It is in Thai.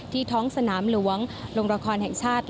ท้องสนามหลวงลงละครแห่งชาติ